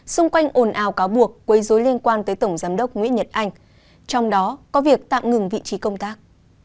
xung quanh ồn ào cáo buộc quấy dối liên quan tới tổng giám đốc nguyễn nhật anh trong đó có việc tạm ngừng vị trí công tác